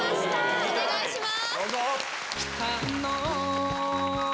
お願いします。